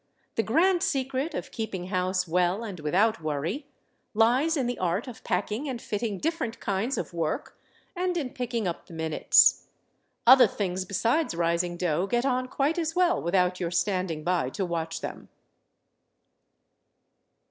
The grand secret of keeping house well and without worry, lies in the art of packing and fitting different kinds of work and in picking up the minutes. Other things besides rising dough get on quite as well without your standing by to watch them.